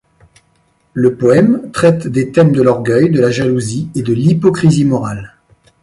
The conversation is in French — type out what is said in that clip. Le poème traite des thèmes de l'orgueil, de la jalousie, et de l'hypocrisie morale.